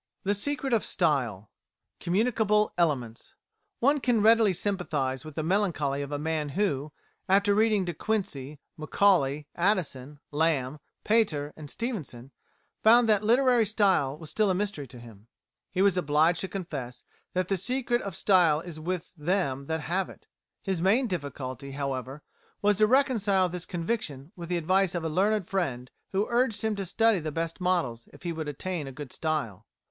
CHAPTER VIII THE SECRET OF STYLE Communicable Elements One can readily sympathise with the melancholy of a man who, after reading De Quincey, Macaulay, Addison, Lamb, Pater, and Stevenson, found that literary style was still a mystery to him. He was obliged to confess that the secret of style is with them that have it. His main difficulty, however, was to reconcile this conviction with the advice of a learned friend who urged him to study the best models if he would attain a good style.